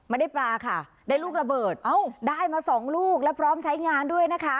ไม่ได้ปลาค่ะได้ลูกระเบิดเอ้าได้มาสองลูกแล้วพร้อมใช้งานด้วยนะคะ